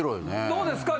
どうですか？